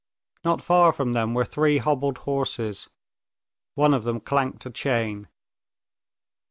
Not far from them were three hobbled horses. One of them clanked a chain.